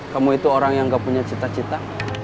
kamu itu orang yang gak punya cita cita